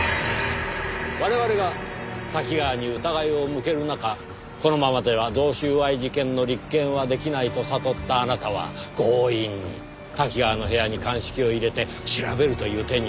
我々が瀧川に疑いを向ける中このままでは贈収賄事件の立件は出来ないと悟ったあなたは強引に瀧川の部屋に鑑識を入れて調べるという手に打って出た。